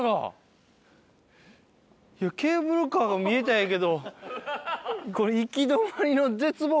いやケーブルカーが見えたんやけどこれ。